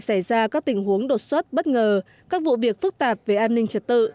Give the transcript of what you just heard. xảy ra các tình huống đột xuất bất ngờ các vụ việc phức tạp về an ninh trật tự